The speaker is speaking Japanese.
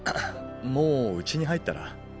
もううちに入ったら？